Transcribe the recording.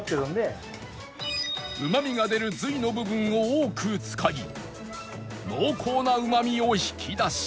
うまみが出る髄の部分を多く使い濃厚なうまみを引き出し